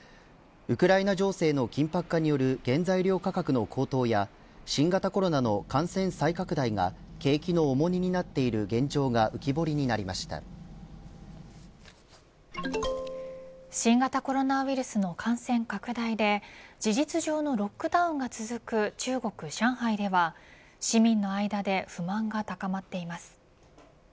ウクライナ情勢の緊迫化による原材料価格の高騰や新型コロナの感染再拡大が景気の重荷になっている新型コロナウイルスの感染拡大で事実上のロックダウンが続く中国、上海では市民の間で不安が高まっています。